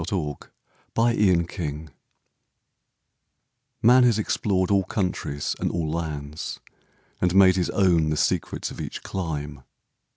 THE UNDISCOVERED COUNTRY Man has explored all countries and all lands, And made his own the secrets of each clime.